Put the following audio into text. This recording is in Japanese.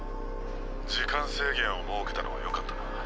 時間制限を設けたのはよかったな。